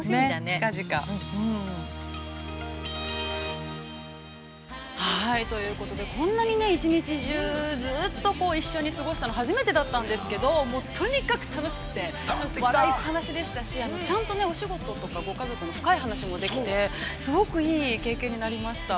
◆近々◆ということで、こんなに一日中ずっと一緒に過ごしたというの、初めてだったんですけど、とにかく楽しくて、笑いっぱなしでしたけど、ご家族とか、お仕事の深い話もできて、すごく、いい経験になりました。